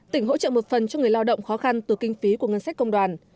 tỉnh hỗ trợ một phần cho người lao động khó khăn từ kinh phí của ngân sách công đoàn